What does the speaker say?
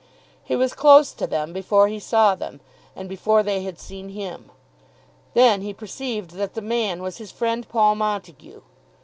He was close to them before he saw them, and before they had seen him. Then he perceived that the man was his friend Paul Montague.